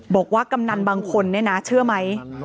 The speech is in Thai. กำนันบางคนเนี่ยนะเชื่อไหม